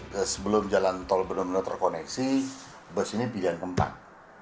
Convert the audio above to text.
terus sebelum jalan tol benar benar terkoneksi bus ini pilihan keempat